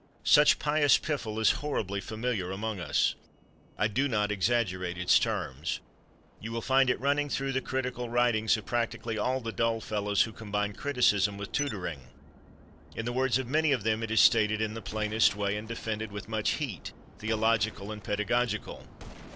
Such pious piffle is horribly familiar among us. I do not exaggerate its terms. You will find it running through the critical writings of practically all the dull fellows who combine criticism with tutoring; in the words of many of them it is stated in the plainest way and defended with much heat, theological and pedagogical.